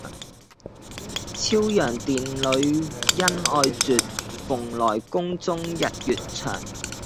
昭陽殿里恩愛絕，蓬萊宮中日月長。